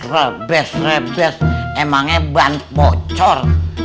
rebes ngerebes emangnya ban bocor